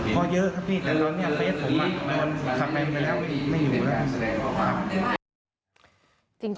เพราะเยอะครับพี่แต่ตอนนี้เฟสผมมันขัดแม่งไปแล้วไม่อยู่แล้ว